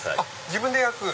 自分で焼く？